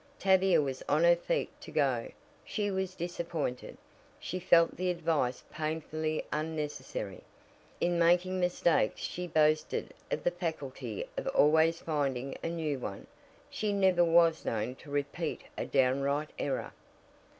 Tavia was on her feet to go. She was disappointed. She felt the advice painfully unnecessary. In making mistakes she boasted of the faculty of always finding a new one she never was known to repeat a downright error.